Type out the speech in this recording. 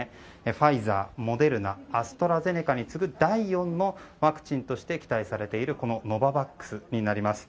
ファイザー、モデルナアストラゼネカに次ぐ第４のワクチンとして期待されているノババックスになります。